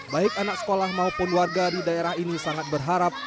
baik anak sekolah maupun warga di daerah ini sangat berharap